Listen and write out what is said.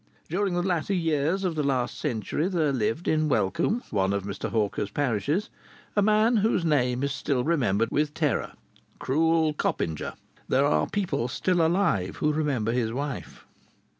During the latter years of last century there lived in Wellcombe, one of Mr. Hawker's parishes, a man whose name is still remembered with terror Cruel Coppinger. There are people still alive who remember his wife.